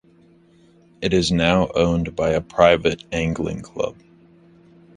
It is now owned by a private angling club.